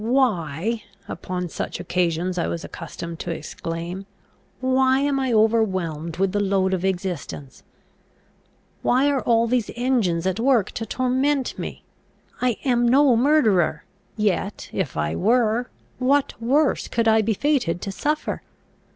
"Why," upon such occasions I was accustomed to exclaim, "why am I overwhelmed with the load of existence? Why are all these engines at work to torment me? I am no murderer; yet, if I were, what worse could I be fated to suffer?